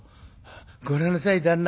「ご覧なさい旦那。